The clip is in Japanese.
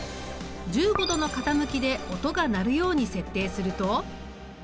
１５度の傾きで音が鳴るように設定すると。